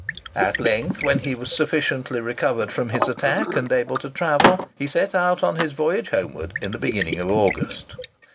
At length, when he was sufficiently recovered from his attack and able to travel, he set out on his voyage homeward in the beginning of August.